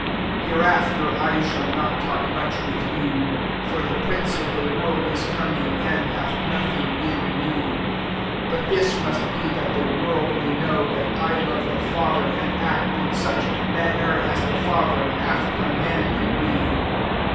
30 Hereafter, I shall not talk much with you ; for the prince of the world is coming, and hath nothing in me.* 31 But /Ai> muat 6e, that the world may know that I love the Father, and act in such manner as the Father hath commanded me.